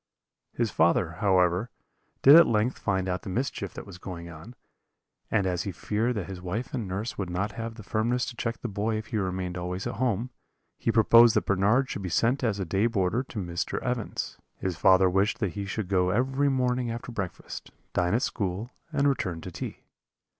"His father, however, did at length find out the mischief that was going on; and as he feared that his wife and nurse would not have the firmness to check the boy if he remained always at home, he proposed that Bernard should be sent as a day boarder to Mr. Evans. His father wished that he should go every morning after breakfast, dine at school, and return to tea.